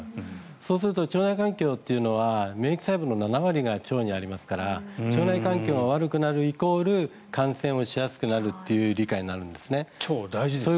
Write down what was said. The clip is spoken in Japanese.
そうすると腸内環境というのは免疫細胞の７割が腸内にありますから腸内環境が悪くなるイコール感染をしやすくなるという腸は大事ですね。